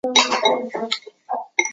元丰七年为河南府法曹参军。